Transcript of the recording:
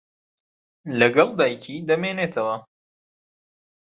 لەگەڵ دایکی دەمێنێتەوە.